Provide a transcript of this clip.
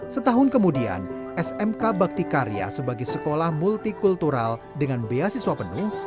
setahun kemudian smk bakti karya sebagai sekolah multikultural dengan beasiswa penuh